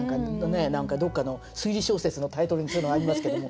何かどっかの推理小説のタイトルにそういうのがありますけども。